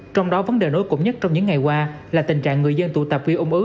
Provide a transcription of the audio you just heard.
trong đó vấn đề nối cục nhất trong những ngày qua là tình trạng người dân tụ tập vì ung ứ